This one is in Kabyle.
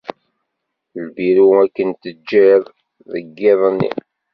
Lbiru akken t-ǧǧiɣ deg yiḍ-nni.